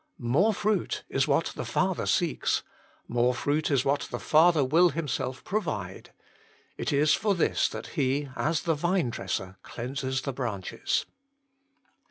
More fruit is what the Father seeks; more fruit is what the Father will Himself provide. It is for this that He, as the Vinedresser, cleanses the branches.